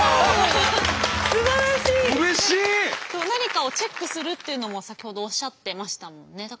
何かをチェックするっていうのも先ほどおっしゃってましたもんね。